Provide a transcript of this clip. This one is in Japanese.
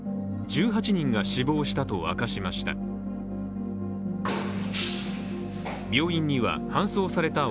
１８人が死亡したと明かしました。